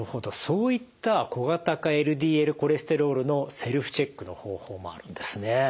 そういった小型化ＬＤＬコレステロールのセルフチェックの方法もあるんですね。